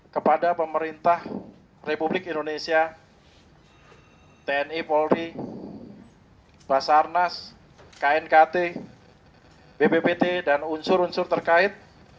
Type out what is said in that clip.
kepada pemerintah republik indonesia tni polri basarnas knkt bppt dan unsur unsur terkait